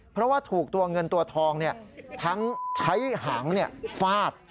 เพราะว่าถูกตัวเงินตัวทองทั้งใช้หางฟาด